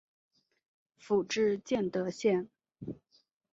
府治建德县。